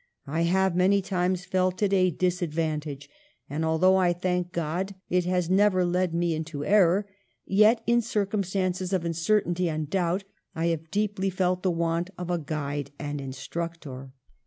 I have many times felt it a dis advantage, and although, I thank God, it has never led me into error, yet in circumstances of uncertainty and doubt I have deeply felt the want of a guide and instructor."